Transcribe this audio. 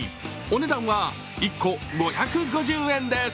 お値段は、１個５５０円です。